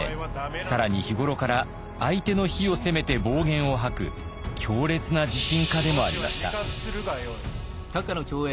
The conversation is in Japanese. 更に日頃から相手の非を責めて暴言を吐く強烈な自信家でもありました。